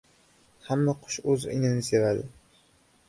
• Hamma qush o‘z inini sevadi.